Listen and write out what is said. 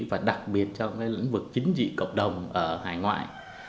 và đặc biệt trong cái lĩnh vực chính trị cộng đồng ở hải ngoại